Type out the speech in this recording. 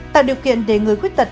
năm tạo điều kiện để người khuyết tật